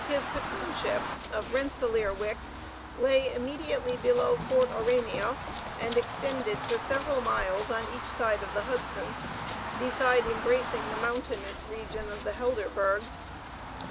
His patroonship of Rensellaerwick lay immediately below Fort Aurania, and extended for several miles on each side of the Hudson, beside embracing the mountainous region of the Helderberg.